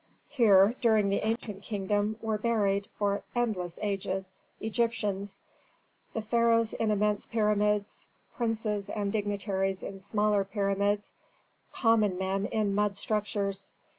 Here during the Ancient Kingdom were buried, for endless ages, Egyptians, the pharaohs in immense pyramids, princes and dignitaries in smaller pyramids, common men in mud structures.